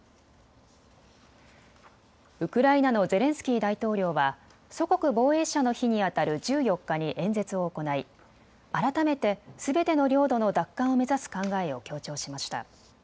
ウクライナのゼレンスキー大統領は祖国防衛者の日にあたる１４日に演説を行い改めてすべての領土の奪還を目指す考えを強調しました。